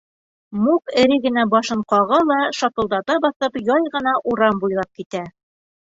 Мук эре генә башын ҡаға ла, шапылдата баҫып, яй ғына урам буйлап китә.